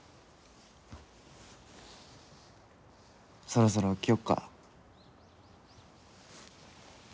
そろそろ起きよっか。